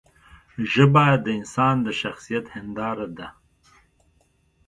ژبه د انسان د شخصیت هنداره ده